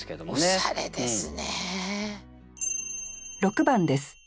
おしゃれですね。